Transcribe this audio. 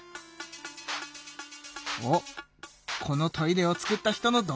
おっこのトイレを作った人の動画だ。